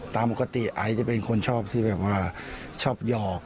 ตามปกติไอซ์จะเป็นคนชอบที่แบบว่าชอบหยอก